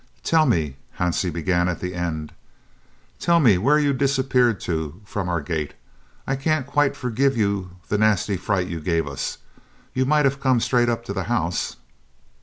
"Tell me" (Hansie began at the end) "tell me where you disappeared to from our gate. I can't quite forgive you the nasty fright you gave us. You might have come straight up to the house."